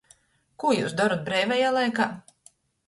Kū jius dorot breivajā laikā?